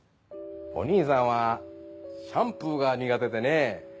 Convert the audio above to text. お兄さんはシャンプーが苦手でね。